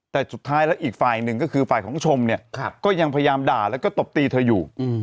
แต่สุดท้ายแล้วอีกฝ่ายหนึ่งก็คือฝ่ายของชมเนี่ยก็ยังพยายามด่าแล้วก็ตบตีเธออยู่